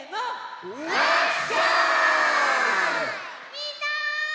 みんな！